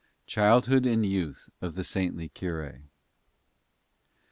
CHILDHOOD AND YOUTH OF THE SAINTLY CURE.